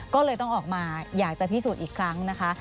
ก็เลยต้องออกมาอยากจะพิสูจน์อีกครั้งนะคะ